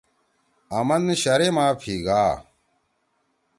آمن شَرے ما پھیِگا۔